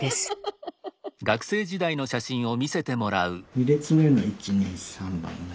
２列目の１２３番目。